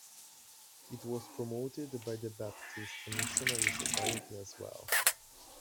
It was promoted by the Baptist Missionary Society as well.